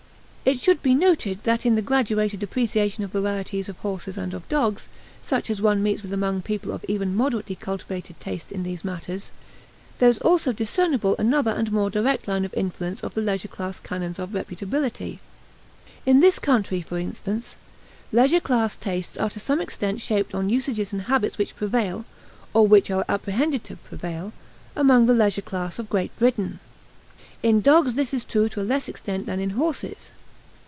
It should be noted that in the graduated appreciation of varieties of horses and of dogs, such as one meets with among people of even moderately cultivated tastes in these matters, there is also discernible another and more direct line of influence of the leisure class canons of reputability. In this country, for instance, leisure class tastes are to some extent shaped on usages and habits which prevail, or which are apprehended to prevail, among the leisure class of Great Britain. In dogs this is true to a less extent than in horses.